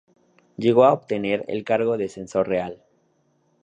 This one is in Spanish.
Llegó a obtener el cargo de Censor Real.